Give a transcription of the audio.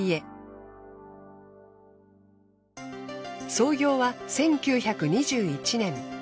創業は１９２１年。